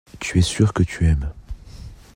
Tu es sûr que tu aimes.